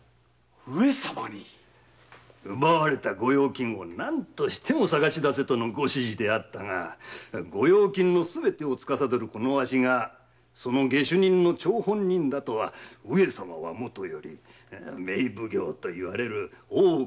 上様に⁉奪われた御用金を何としても探し出せとの御指示であったが御用金をすべて司るわしがその下手人の張本人だとは上様はもとより名奉行といわれる大岡越前にもわかるまい。